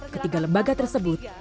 ketiga lembaga tersebut